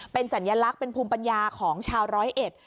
เป็นสัญลักษณ์เป็นภูมิปัญญาของชาวร้อยเอ็ด